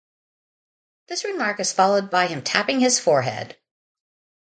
This remark is followed by him tapping his forehead.